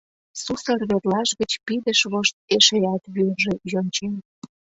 Сусыр верлаж гыч пидыш вошт эшеат вӱржӧ йончен.